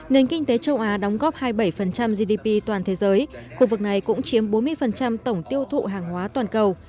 nền kinh tế châu á đóng góp hai mươi bảy gdp toàn thế giới khu vực này cũng chiếm bốn mươi tổng tiêu thụ hàng hóa toàn cầu